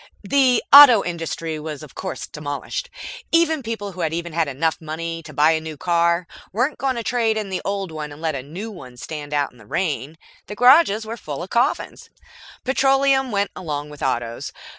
The auto industry was of course demolished. Even people who had enough money to buy a new car weren't going to trade in the old one and let the new one stand out in the rain. The garages were full of coffins. Petroleum went along with Autos.